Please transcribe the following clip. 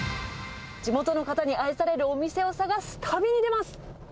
地元の方に愛されるお店を探す旅に出ます。